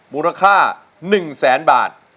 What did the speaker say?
มูลค่า๑แสนบาท